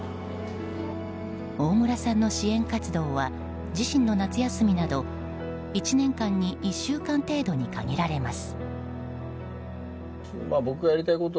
大村さんの支援活動は自身の夏休みなど１年間に１週間程度に限られます。